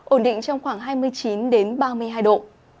ổn định trong khoảng hai mươi chín ba mươi hai độ